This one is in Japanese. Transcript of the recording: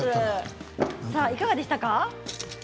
いかがでしたか。